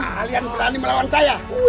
kalian berani melawan saya